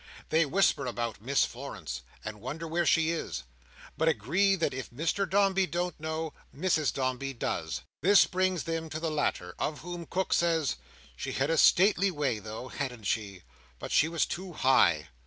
They whisper about Miss Florence, and wonder where she is; but agree that if Mr Dombey don't know, Mrs Dombey does. This brings them to the latter, of whom Cook says, She had a stately way though, hadn't she? But she was too high!